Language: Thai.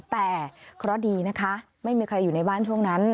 แต่เคราะห์ดีนะคะไม่มีใครอยู่ในบ้านช่วงนั้น